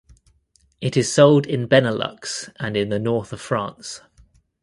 It is sold in Benelux and in the north of France.